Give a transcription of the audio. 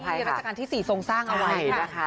ในราชการที่๔ทรงสร้างเอาไว้ค่ะ